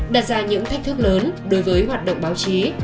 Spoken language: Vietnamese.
đặt ra những thách thức lớn đối với hoạt động báo chí